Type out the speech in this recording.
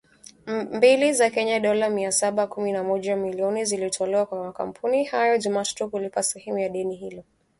Mbili za Kenya (dola mia saba kumi na moja, milioni) zilitolewa kwa makampuni hayo Jumatatu kulipa sehemu ya deni hilo.